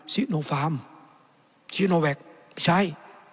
ซิโนฟาร์มซีโนแวคใช้